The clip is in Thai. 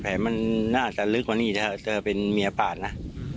แผลมันน่าจะลึกกว่านี้ถ้าเจอเป็นเมียปาดนะ